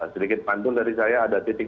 sedikit pantun dari saya ada titik